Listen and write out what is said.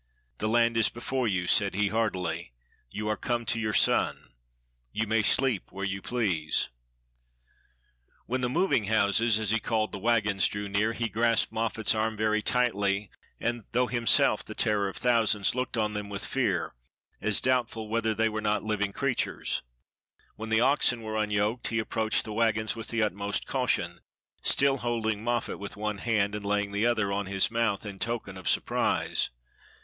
''The land is before you," said he heartily. "You are come to your son. You may sleep where you please." 382 A VISIT TO KING MOSELEKATSE When the "moving houses," as he called the wagons, drew near, he grasped Moffat's arm very tightly, and though himself the terror of thousands, looked on them with fear, as doubtful whether they were not hving crea tures. When the oxen were unyoked, he approached the wagons with the utmost caution, still holding Moffat with one hand, and laying the other on his mouth, in token of surprise.